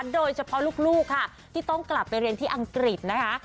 โดยเฉพาะลูกค่ะที่ต้องกลับไปเรียนที่อังกฤษนะคะ